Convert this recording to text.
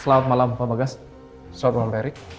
selamat malam pak bagas sorbom berik